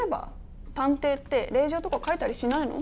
探偵って令状とか書いたりしないの？